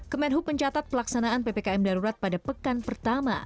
kemenhub mencatat pelaksanaan ppkm darurat pada pekan pertama